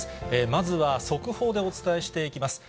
まずは速報でお伝えしていきます。